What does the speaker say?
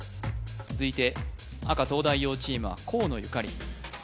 続いて赤東大王チームは河野ゆかり